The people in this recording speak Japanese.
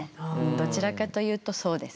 どちらかというとそうですね。